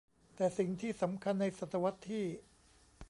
แต่สิ่งที่สำคัญในศตวรรษที่